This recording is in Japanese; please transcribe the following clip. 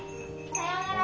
さようなら！